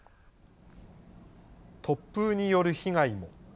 突風による被害も。